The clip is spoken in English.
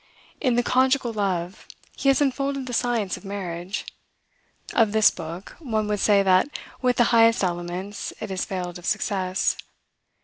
In the "Conjugal Love," he has unfolded the science of marriage. Of this book, one would say, that, with the highest elements, it has failed of success.